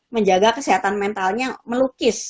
menjaga kesehatan mentalnya melukis